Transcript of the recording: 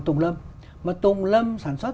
tùng lâm mà tùng lâm sản xuất